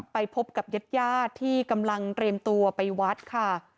ไปพบกับญาติญาติที่กำลังเตรียมตัวไปวัดค่ะ